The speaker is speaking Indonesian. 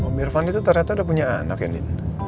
pak irfan itu ternyata udah punya anak ya nino